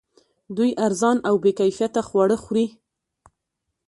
دوی ارزان او بې کیفیته خواړه خوري